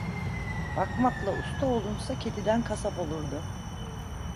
Bakmakla usta olunsa kediden kasap olurdu.